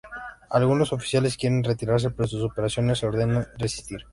Algunos oficiales quieren retirarse pero sus superiores ordenan resistir.